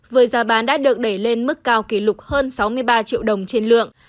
với giá bán đã được đẩy lên mức cao kỷ lục hơn sáu mươi ba triệu đồng trên lượng